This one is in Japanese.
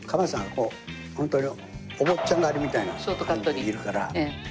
こうホントにお坊ちゃん刈りみたいな感じでいるから。